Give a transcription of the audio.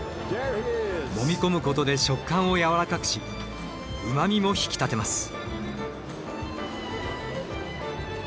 もみ込むことで食感をやわらかくしうま味も引き立てます。